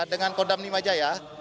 dan damni majaya